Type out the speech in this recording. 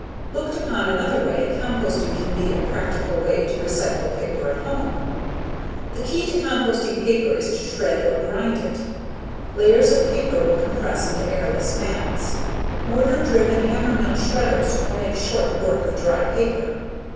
Looked upon another way, composting can be a practical way to recycle paper at home. The key to composting paper is to shred or grind it. Layers of paper will compress into airless mats. Motor driven hammermill shredders will make short work of dry paper.